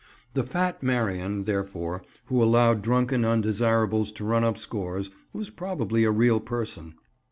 The fat Marian, therefore, who allowed drunken undesirables to run up scores, was probably a real person.